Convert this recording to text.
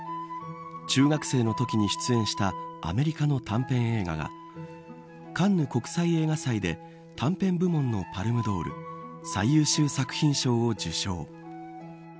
中学生のときに出演したアメリカの短編映画がカンヌ国際映画祭で短編部門のパルムドール最優秀作品賞を受賞。